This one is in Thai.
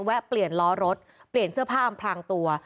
แวะเปลี่ยนล้อรถเกะเสื้อผ้าอำพลังตัว